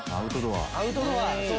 アウトドア。